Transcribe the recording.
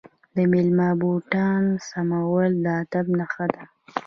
د میلمه بوټان سمول د ادب نښه ده.